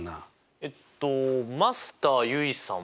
えっとマスター結衣さん